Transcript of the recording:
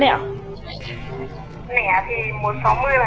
nhập nhiều thì bao nhiêu ạ